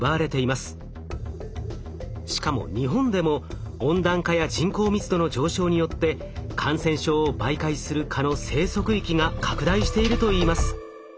しかも日本でも温暖化や人口密度の上昇によって感染症を媒介する蚊の生息域が拡大しているといいます。